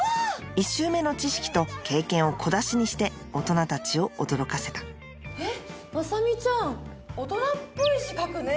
１周目の知識と経験を小出しにして大人たちを驚かせたえっ麻美ちゃん大人っぽい字書くね。